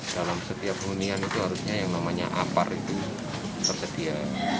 dalam setiap hunian itu harusnya yang namanya apar itu tersedia